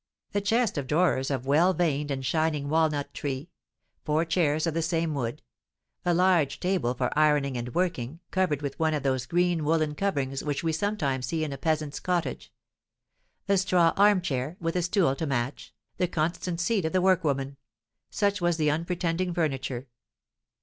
A chest of drawers of well veined and shining walnut tree; four chairs of the same wood; a large table for ironing and working, covered with one of those green woollen coverings which we sometimes see in a peasant's cottage; a straw armchair, with a stool to match, the constant seat of the workwoman, such was the unpretending furniture.